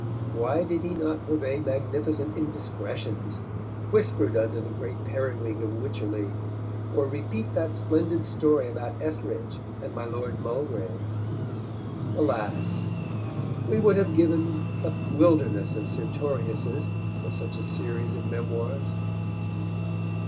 Why did he not purvey magnificent indiscretions whispered under the great periwig of Wycherley, or repeat that splendid story about Etheredge and my Lord Mulgrave? Alas! we would have given a wilderness of Sertoriuses for such a series of memoirs.